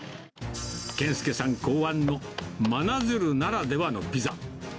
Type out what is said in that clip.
研介さん考案の真鶴ならではのピザ。